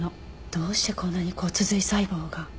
どうしてこんなに骨髄細胞が？